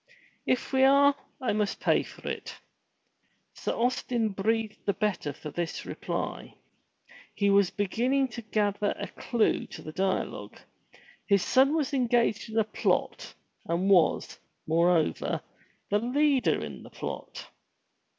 "If we are, I must pay for it." Sir Austin breathed the better for this reply. He was begin ning to gather a clue to the dialogue. His son was engaged in a plot, and was, moreover, the leader in the plot.